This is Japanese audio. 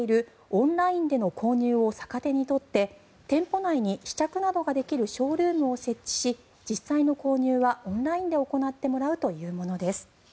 オンラインでの購入を逆手に取って店舗内に試着などができるショールームを設置し実際の購入はオンラインで行ってもらうというものです。